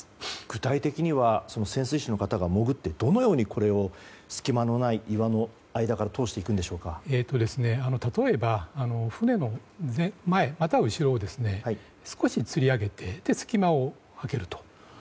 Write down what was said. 具体的には潜水士の方が潜ってどのようにこれを隙間のない岩の間から例えば、船の前または後ろを少しつり上げて隙間をあけると。